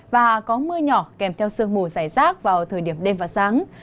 và có mưa nhỏ kèm theo sương mù dài rác vào thời điểm đêm và sáng